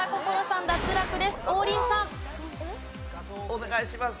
お願いします。